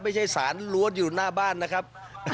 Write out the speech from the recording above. ไม่ใช่สารล้วนอยู่หน้าบ้านนะครับ